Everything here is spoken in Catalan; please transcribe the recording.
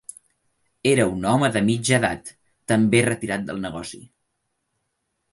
Era un home de mitja edat, també retirat del negoci